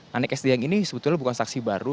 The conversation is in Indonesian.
nanik s deyang ini sebetulnya bukan saksi baru